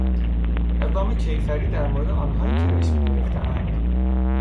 اقدام کیفری در مورد آنهایی که رشوه گرفتهاند